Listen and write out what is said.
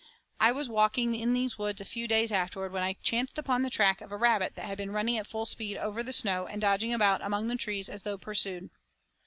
I was walking in these woods a few days afterward when I chanced upon the track of a rabbit that had been running at full speed over the snow and dodging about among the trees as though pursued.